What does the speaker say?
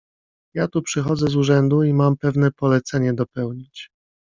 "Ja tu przychodzę z urzędu i mam pewne polecenie dopełnić."